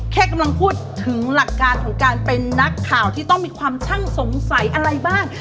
แค่กำลังพูดถึงหลักการของการเป็นนักข่าวที่ต้องมีความช่างสงสัยอะไรบ้าง